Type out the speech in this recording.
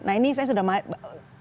nah ini saya sudah masuk nih